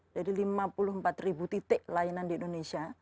jadi lima puluh empat titik layanan di indonesia